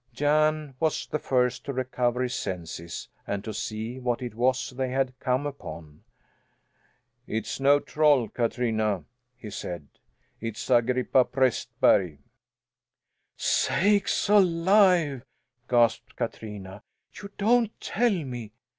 Jan was the first to recover his senses and to see what it was they had come upon. "It's no troll, Katrina," he said. "It's Agrippa Prästberg." "Sakes alive!" gasped Katrina. "You don't tell me!